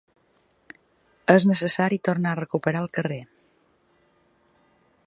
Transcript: És necessari tornar a recuperar el carrer.